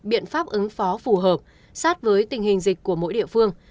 biện pháp ứng phó phù hợp sát với tình hình dịch của mỗi địa phương